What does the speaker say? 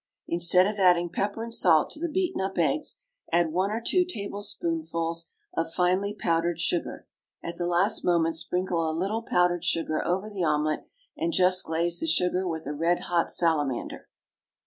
Instead of adding pepper and salt to the beaten up eggs, add one or two tablespoonfuls of finely powdered sugar. At the last moment, sprinkle a little powdered sugar over the omelet, and just glaze the sugar with a red hot salamander.